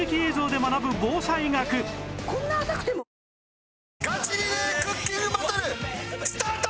え．．．ガチリレークッキングバトルスタート！